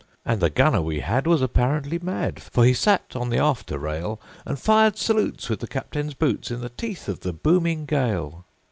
And the gunner we had was apparently mad, For he sat on the after rail, And fired salutes with the captain's boots, In the teeth of the booming gale.